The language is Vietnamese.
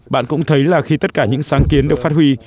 bạn cũng thấy là khi tất cả những sáng kiến được phát huy